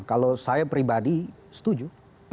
kalau saya pribadi setuju